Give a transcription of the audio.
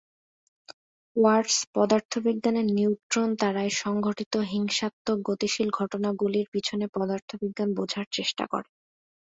ওয়াটস পদার্থবিজ্ঞানের নিউট্রন তারায় সংঘটিত হিংসাত্মক গতিশীল ঘটনাগুলির পিছনে পদার্থবিজ্ঞান বোঝার চেষ্টা করে।